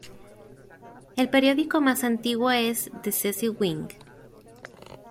El periódico más antiguo es The Cecil Whig.